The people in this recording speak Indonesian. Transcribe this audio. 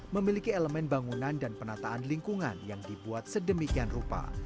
memiliki elemen bangunan dan penataan lingkungan yang dibuat sedemikian rupa